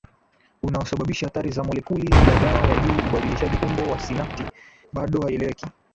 unaosababisha athari za molekuli ya dawa ya juu ubadilishaji umbo wa sinapti bado haieleweki